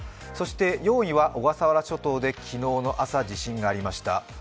そして４位は小笠原諸島の昨日の朝地震がありました。